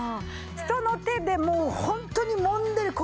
人の手でもうホントにもんでる。